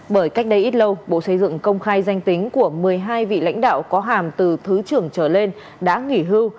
bởi cách đây ít lâu bộ xây dựng công khai danh tính của một mươi hai vị lãnh đạo có hàm từ thứ trưởng trở lên đã nghỉ hưu